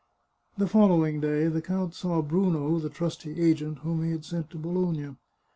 The following day the count saw Bruno, the trusty agent whom he had sent to Bologna.